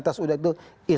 terus sudah itu